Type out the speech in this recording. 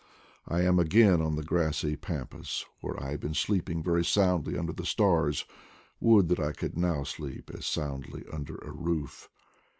I am again on the grassy pampas, where I have been sleeping very soundly under the stars, — would that I could now sleep as soundly under a roof!